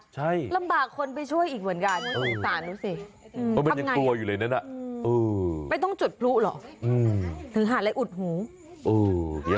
ใช่ลำบากคนไปช่วยอีกเหมือนกันอุดหู